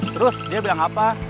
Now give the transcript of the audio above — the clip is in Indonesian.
terus dia bilang apa